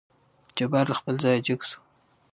جبار له خپل ځايه جګ شو.